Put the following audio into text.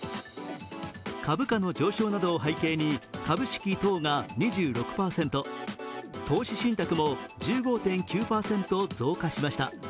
株価の上昇などを背景に株式等が２６％、投資信託も１５．９％増加しました。